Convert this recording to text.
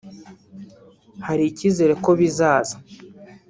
hari icyizere ko bizaza”